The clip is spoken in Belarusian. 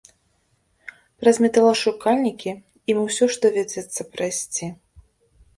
Праз металашукальнікі ім усё ж давядзецца прайсці.